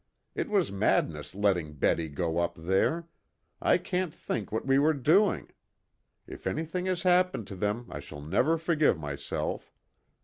It was madness letting Betty go up there. I can't think what we were doing. If anything has happened to them I shall never forgive myself.